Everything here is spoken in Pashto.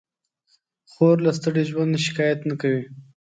خور له ستړي ژوند نه شکایت نه کوي.